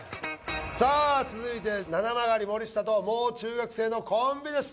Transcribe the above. さあ続いてななまがり森下ともう中学生のコンビです